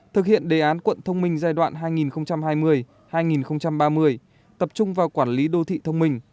thực hiện đề án quận thông minh giai đoạn hai nghìn hai mươi hai nghìn ba mươi tập trung vào quản lý đô thị thông minh